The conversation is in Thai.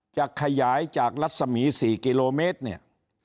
จะขยายจากรัศมี๔กิโลเมตรเนี่ย